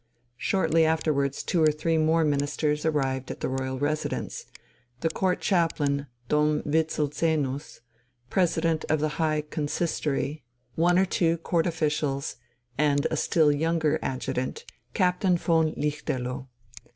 Shortly afterwards two or three more ministers arrived at the royal residence, the Court Chaplin Dom Wislezenus, President of the High Consistory, one or two Court officials, and a still younger Adjutant, Captain von Lichterloh.